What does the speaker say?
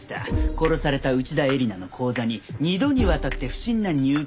殺された内田絵里奈の口座に２度にわたって不審な入金がありました。